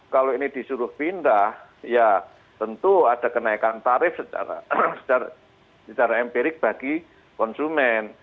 kalau ini disuruh pindah ya tentu ada kenaikan tarif secara empirik bagi konsumen